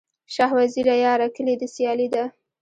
شاه وزیره یاره، کلي دي سیالي ده